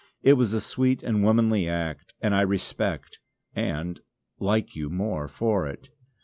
It was a sweet and womanly act and I respect and like you more for it.